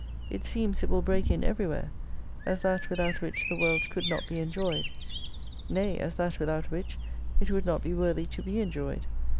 It seems it will break in everywhere, as that without which the world could not be enjoyed. Nay as that without which it would not be worthy to be enjoyed.